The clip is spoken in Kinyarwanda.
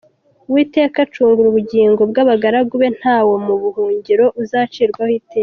Uwiteka acungura ubugingo bw’abagaragu be, Nta wo mu bamuhungiraho uzacirwaho iteka.